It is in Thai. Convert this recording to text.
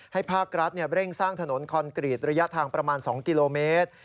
ภาครัฐเร่งสร้างถนนคอนกรีตระยะทางประมาณ๒กิโลเมตร